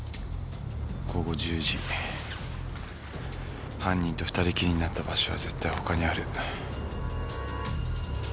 午後１０時犯人と２人きりになった場所は絶対ほかにある。